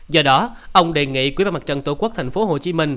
do đó ông đề nghị quỹ ban mặt trận tổ quốc tp hcm